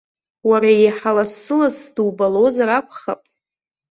Уара еиҳа лассы-лассы дубалозар акәхап?